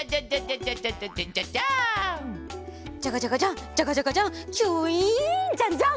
ジャカジャカジャンジャカジャカジャンキュインジャンジャン！